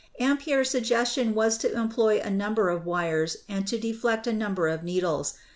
Ampere's suggestion was to employ a number of wires and to deflect a number of needles.